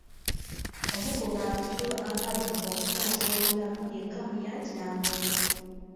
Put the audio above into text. Omu ku bantu abadduka okutaasa obulamu ye Kamuyat Nangobi.